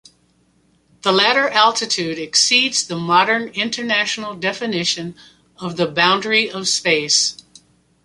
The latter altitude exceeds the modern international definition of the boundary of space.